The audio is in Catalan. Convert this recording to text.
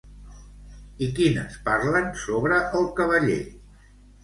I quines parlen sobre el cavaller?